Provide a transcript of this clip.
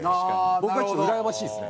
僕はちょっとうらやましいですね。